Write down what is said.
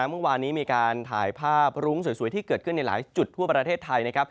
เมื่อวานนี้มีการถ่ายภาพรุ้งสวยที่เกิดขึ้นในหลายจุดทั่วประเทศไทยนะครับ